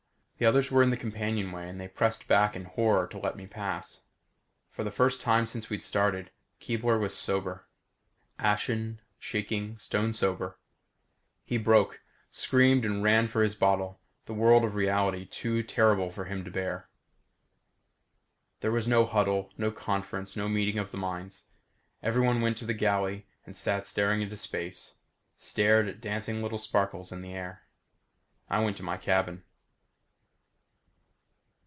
The others were in the companionway and they pressed back in horror to let me pass. For the first time since we'd started, Keebler was sober. Ashen, shaking, stone sober. He broke; screamed and ran for his bottle, the world of reality too terrible for him to bear. There was no huddle, no conference, no meeting of the minds. Everyone else went to the galley and sat staring into space; stared at the dancing little sparkles in the air. I went to my cabin.